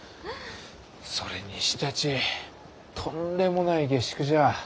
それにしたちとんでもない下宿じゃ。